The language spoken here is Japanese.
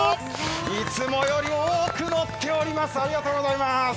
いつもより多く乗っています。